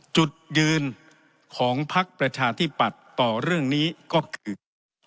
จุดยืนของพักประชาธิปัตย์ต่อเรื่องนี้ก็คือ